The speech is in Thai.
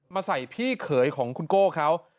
ใส่พี่เขยของคุณโก้เขา